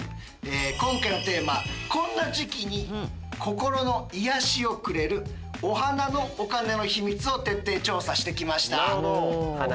今回のテーマこんな時期に心の癒やしをくれる「お花のお金のヒミツ」を徹底調査してきました。